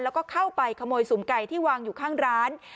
แล้วก็เข้าไปขโมยสุ่มไก่ที่วางอยู่ข้างร้าน